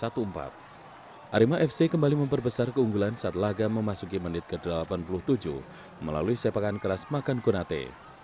di menit ke lima puluh empat arema fc kembali memperbesar keunggulan saat lagam memasuki menit ke delapan puluh tujuh melalui sepakan keras makan konate